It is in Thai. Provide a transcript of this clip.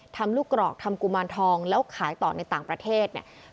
ทำลูกกรอกทำกุมารทองแล้วขายต่อในต่างประเทศเนี่ย